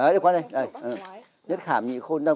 đấy đúng không anh